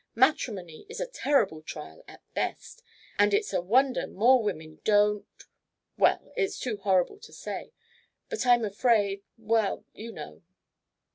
"Matrimony is a terrible trial at best, and it's a wonder more women don't well, it's too horrible to say. But I'm afraid well, you know."